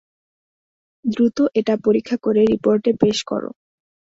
দ্রুত এটা পরীক্ষা করে রিপোর্টে পেশ করো।